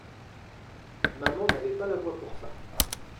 Maman n'avait pas la voix pour ça.